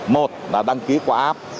một là đăng ký qua áp